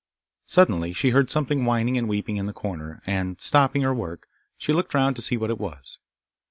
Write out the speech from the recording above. Suddenly she heard something whining and weeping in the corner, and, stopping her work, she looked round to see what it was.